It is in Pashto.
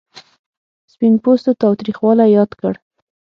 سپین پوستو تاوتریخوالی یاد کړ.